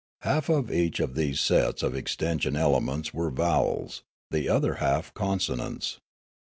Half of each of these sets of extension elements were vowels, the other half consonants.